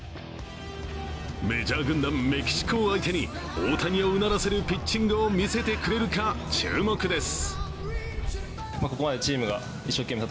メジャー軍団メキシコを相手に大谷をうならせるピッチングを見せてくれるか注目です。